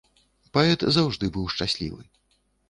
Паэт заўжды быў шчаслівы.